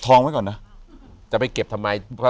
อยู่ที่แม่ศรีวิรัยิลครับ